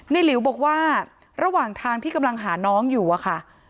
หลิวบอกว่าระหว่างทางที่กำลังหาน้องอยู่อะค่ะ